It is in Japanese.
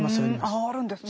あああるんですね。